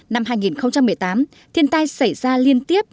năm hai nghìn một mươi tám thiên tai xảy ra liên tiếp